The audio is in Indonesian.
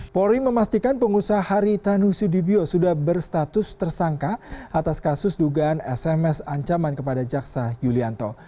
polri memastikan pengusaha haritanu sudibyo sudah berstatus tersangka atas kasus dugaan sms ancaman kepada jaksa yulianto